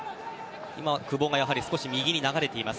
今は久保が少し右に流れています。